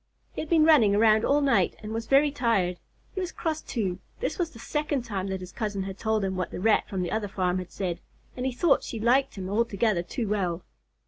He had been running around all night, and was very tired. He was cross, too. This was the second time that his cousin had told him what the Rat from the other farm had said, and he thought she liked him altogether too well.